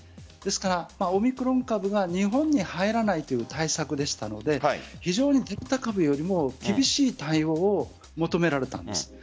ですからオミクロン株が日本に入らないという対策でしたので非常にデルタ株よりも厳しい対応を求められたんです。